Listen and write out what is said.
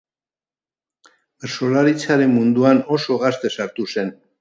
Bertsolaritzaren munduan oso gazte sartu zen.